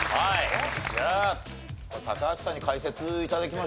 じゃあ高橋さんに解説頂きましょうかね。